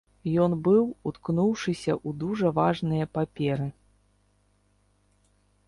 Ён быў уткнуўшыся ў дужа важныя паперы.